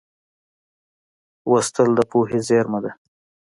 لوستل د پوهې زېرمه ده.